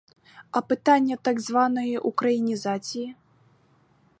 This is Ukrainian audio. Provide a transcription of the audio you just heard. А питання так званої українізації?